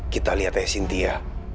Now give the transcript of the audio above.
kita lihat ya sintia